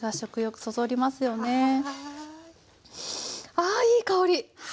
ああいい香り！